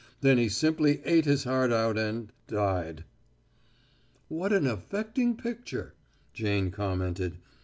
Then he simply ate his heart out and died." "What an affecting picture!" Jane commented.